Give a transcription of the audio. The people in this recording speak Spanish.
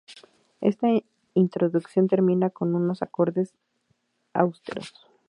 Esta introducción termina con unos acordes austeros.